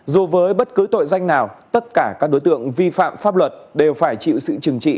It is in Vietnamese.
dù với bất cứ tội danh nào tất cả các đối tượng vi phạm pháp luật đều phải chịu sự trừng trị